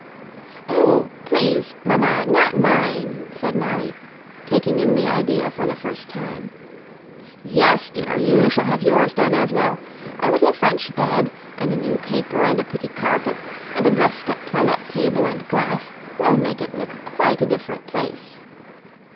"Oh, please, mamma, not mine," said Molly, taking in the idea for the first time. "Yes, dear! You shall have yours done as well. A little French bed, and a new paper, and a pretty carpet, and a dressed up toilet table and glass, will make it look quite a different place."